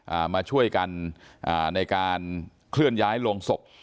มาช่วยกันอ่าในการเคลื่อนย้ายลงศพ